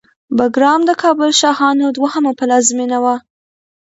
بګرام د کابل شاهانو دوهمه پلازمېنه وه